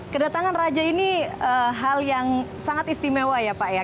kedatangan raja ini hal yang sangat istimewa ya pak ya